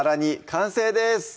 完成です